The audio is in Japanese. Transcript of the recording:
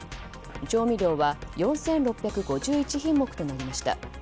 調味料は４６５１品目となりました。